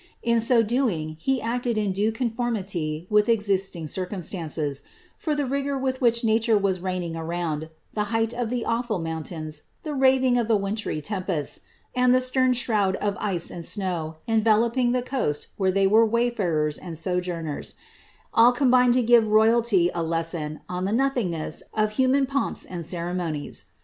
In so doing, he acted in due con formiiy with existing circumstances, for the rigour with which naiure was reigning around, the height of the owfnl mountains, the raving of the wintry tempests, and the siern shrond of ice and snow, enreloplDi the coast where they were wayfarers and sojourners, all roinbiued lo give royalty a lesson on ihe nothingness of human pomps and cere monies.